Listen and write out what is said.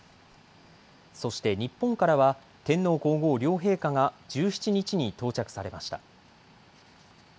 そして日本からは天皇皇后両陛下が１７日に到着されました。